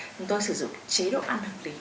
chúng tôi sử dụng chế độ ăn hợp lý